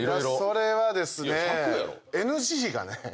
それはですね。